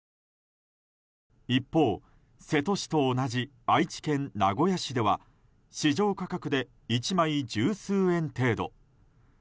一方、瀬戸市と同じ愛知県名古屋市では市場価格で１枚十数円程度。